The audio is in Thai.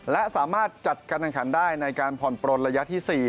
และสามารถจัดการแข่งขันได้ในการผ่อนปลนระยะที่๔